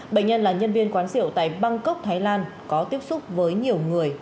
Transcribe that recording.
bệnh nhân là nhân viên quán rượu tại bangkok thái lan có tiếp xúc với nhiều người